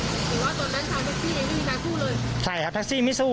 หรือว่าตัวนั้นทางทักซี่ยังมีทางคู่เลยใช่ครับทักซี่ไม่สู้